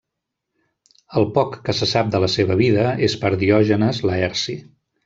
El poc que se sap de la seva vida és per Diògenes Laerci.